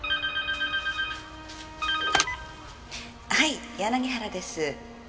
はい柳原です。